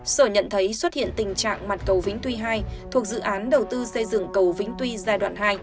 sở nhận thấy xuất hiện tình trạng mặt cầu vĩnh tuy hai thuộc dự án đầu tư xây dựng cầu vĩnh tuy giai đoạn hai